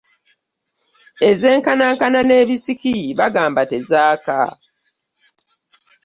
Ezenkanankana n'ebisikiki bagamba tezaaka.